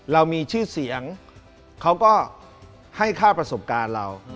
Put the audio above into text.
เรามีชื่อเสียงเขาก็ให้ค่าประสบการณ์เรา